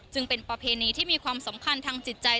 จึงเป็นประเพณีที่มีความสำคัญทางจิตใจ